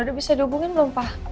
udah bisa dihubungin belum pak